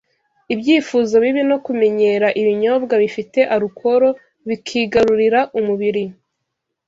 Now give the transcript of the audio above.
ibyifuzo bibi, no kumenyera ibinyobwa bifite alukoro bikigarurira umubiri